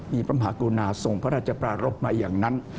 มีพระมหากรุณาส่งพระราชปรารบมาอย่างนั้น